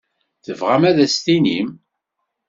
Tebɣam ad as-tinim?